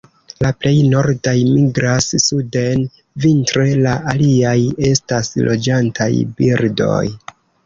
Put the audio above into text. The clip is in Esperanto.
La plej nordaj migras suden vintre; la aliaj estas loĝantaj birdoj.